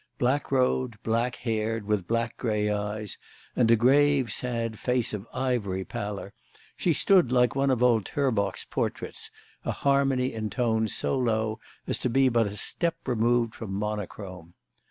Black robed, black haired, with black grey eyes and a grave, sad face of ivory pallor, she stood, like one of old Terborch's portraits, a harmony in tones so low as to be but a step removed from monochrome.